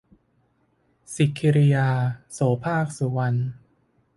สิคีริยา - โสภาค สุวรรณ